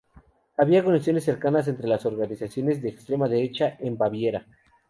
Había conexiones cercanas entre las organizaciones de extrema derecha en Baviera.